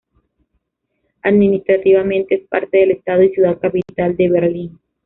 Administrativamente es parte del estado y ciudad capital de Berlín.